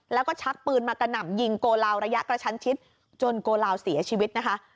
แล้วก็ชักปืนมากระหน่ำยิงโกลาวระยะกระชั้นชิดจนโกลาวเสียชีวิตนะคะ